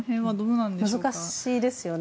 難しいですよね。